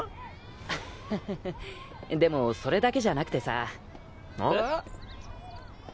アハハハでもそれだけじゃなくてさ。え？